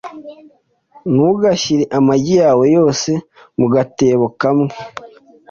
Ntugashyire amagi yawe yose mu gatebo kamwe